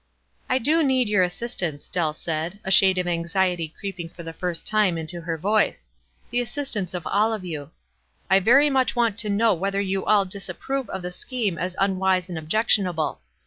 "I do need your assistance," Dell said, a shade of anxiety creeping for the first time into ner voice, — "the assistance of all of you. I very much want to know whether you all disap prove of the scheme as unwise and objectiona ble.